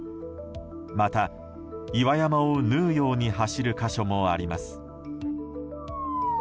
また、岩山を縫うように走る箇所もあります。